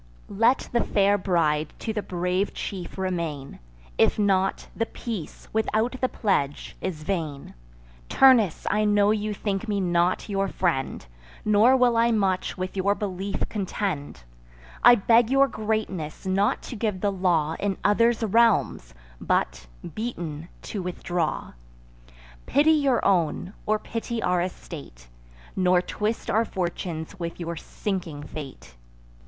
Let the fair bride to the brave chief remain; If not, the peace, without the pledge, is vain. Turnus, I know you think me not your friend, Nor will I much with your belief contend: I beg your greatness not to give the law In others' realms, but, beaten, to withdraw. Pity your own, or pity our estate; Nor twist our fortunes with your sinking fate.